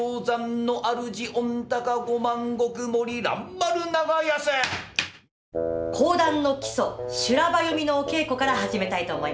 これはたぶんね講談の基礎修羅場読みのお稽古から始めたいと思います。